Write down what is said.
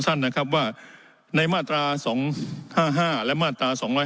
สั้นนะครับว่าในมาตราสองห้าห้าและมาตราสองร้อย